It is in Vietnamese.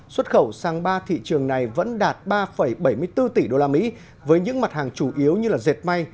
xuất khẩu sang ba thị trường này vẫn đạt ba bảy mươi bốn tỷ usd với những mặt hàng chủ yếu như dệt may